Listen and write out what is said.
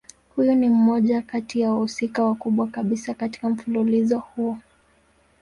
Huyu ni mmoja kati ya wahusika wakubwa kabisa katika mfululizo huu.